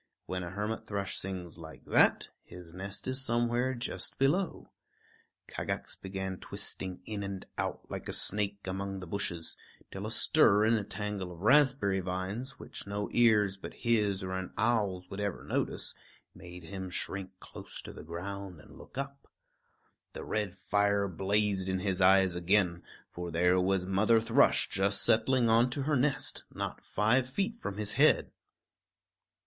When a hermit thrush sings like that, his nest is somewhere just below. Kagax began twisting in and out like a snake among the bushes, till a stir in a tangle of raspberry vines, which no ears but his or an owl's would ever notice, made him shrink close to the ground and look up. The red fire blazed in his eyes again; for there was Mother Thrush just settling onto her nest, not five feet from his head.